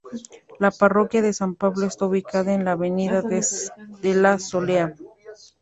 La parroquia de San Pablo está ubicada en la avenida de la Soleá.